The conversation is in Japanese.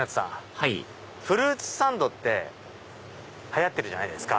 はいフルーツサンドって流行ってるじゃないですか。